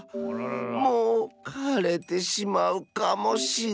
もうかれてしまうかもしれん。